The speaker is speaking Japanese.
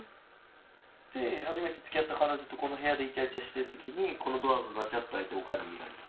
で初めてつきあった彼女とこの部屋でイチャイチャしてる時にこのドアがガチャッと開いておかんに見られた。